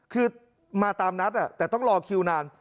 คือมาตามนัดแต่ต้องรอคิวนาน